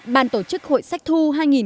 bàn tổ chức hội sách thu hai nghìn một mươi bảy